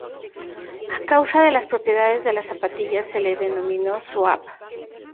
A causa de las propiedades de las zapatillas se le denominó "Soap".